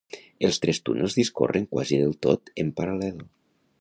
Els tres túnels discorren quasi del tot en paral·lel.